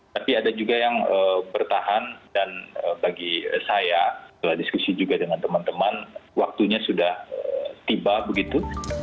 tapi ada juga yang bertahan dan bagi saya setelah diskusi juga dengan teman teman waktunya sudah tiba begitu